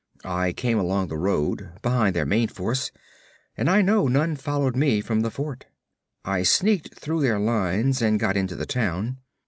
'I came along the road, behind their main force, and I know none followed me from the fort. I sneaked through their lines and got into the town.